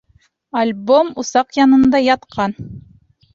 — Альбом усаҡ янында ятҡан.